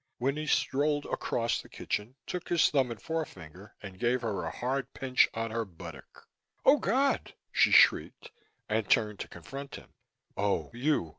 Winnie strolled across the kitchen, took his thumb and forefinger and gave her a hard pinch on her buttock. "Oh! God!" she shrieked and turned to confront him. "Oh, you!"